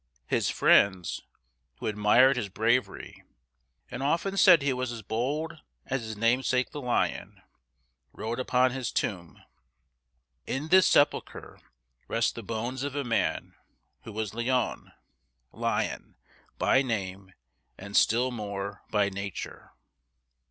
His friends, who admired his bravery, and often said he was as bold as his namesake the lion, wrote upon his tomb: "In this sepulcher rest the bones of a man who was Leon [lion] by name and still more by nature."